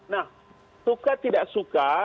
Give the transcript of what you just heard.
nah suka tidak suka